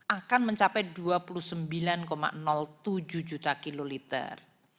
akan mencapai dua puluh sembilan tujuh juta kiloliter